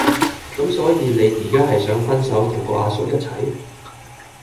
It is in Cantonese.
咁所以你依家係想分手同個阿叔一齊